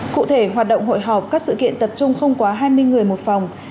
cụ thể hoạt động hội họp các sự kiện tập trung không quá hai mươi người một phòng